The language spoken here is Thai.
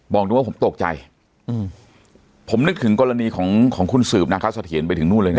มองดูว่าผมตกใจผมนึกถึงกรณีของคุณสืบนาศาสเถียนไปถึงนู่นเลยนะครับ